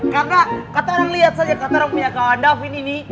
karena kata orang lihat saja kata orang punya kawan davin ini